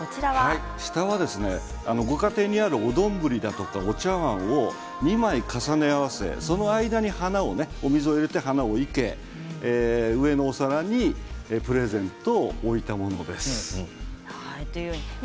下はご家庭にあるお丼やお茶わんも２枚重ね合わせ、その間にお水を入れてお花を入れて上のお皿にプレゼントを置いたものです。